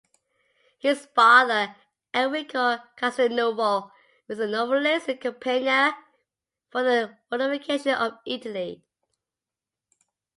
His father, Enrico Castelnuovo, was a novelist and campaigner for the unification of Italy.